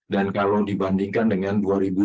dan kalau dibandingkan dengan